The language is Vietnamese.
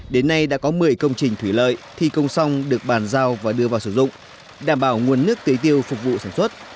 đến nay đã có một mươi công trình thủy lợi thi công xong được bàn giao và đưa vào sử dụng đảm bảo nguồn nước tế tiêu phục vụ sản xuất